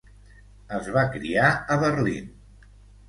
Es va criar a Berlín.